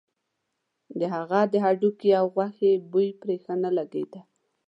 د هغه د هډوکي او غوښې بوی پرې ښه نه لګېده.